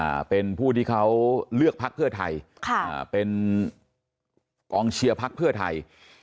อ่าเป็นผู้ที่เขาเลือกพักเพื่อไทยค่ะอ่าเป็นกองเชียร์พักเพื่อไทย